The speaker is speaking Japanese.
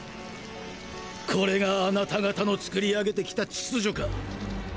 これがあなた方の作り上げてきた秩序か。